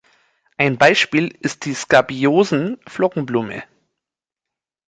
Ein Beispiel ist die Skabiosen-Flockenblume.